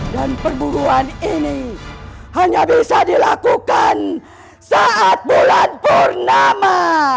dan perburuan ini hanya bisa dilakukan saat bulan purnama